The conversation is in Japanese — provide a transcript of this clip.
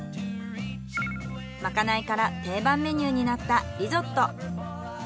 まかないから定番メニューになったリゾット。